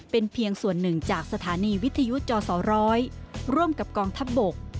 เป็นเพียงส่วนหนึ่งจากสถานีวิทยุจสร้อยร่วมกับกองทัพบก